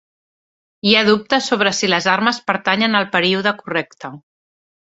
Hi ha dubtes sobre si les armes pertanyen al període correcte.